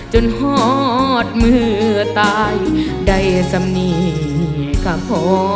หอดเมื่อตายได้สำนีกับพ่อ